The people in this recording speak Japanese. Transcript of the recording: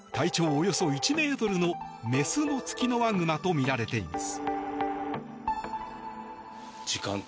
およそ１ｍのメスのツキノワグマとみられています。